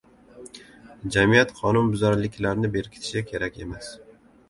Jamiyat qonunbuzarliklarni berkitishi kerak emas.